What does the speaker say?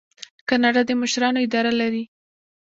کاناډا د مشرانو اداره لري.